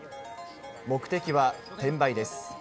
目的は転売です。